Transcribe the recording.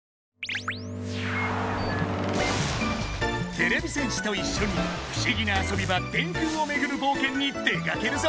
てれび戦士といっしょに不思議な遊び場電空をめぐる冒険に出かけるぞ！